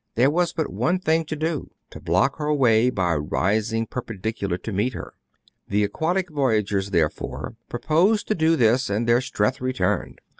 There was but one thing to do, — to block the way by rising perpen dicularly to meet her. The aquatic voyagers therefore proposed to do this, and their strength returned.